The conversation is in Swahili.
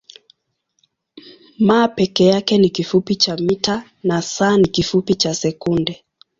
m peke yake ni kifupi cha mita na s ni kifupi cha sekunde.